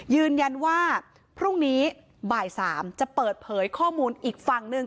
ยืนยันว่าพรุ่งนี้บ่าย๓จะเปิดเผยข้อมูลอีกฝั่งหนึ่ง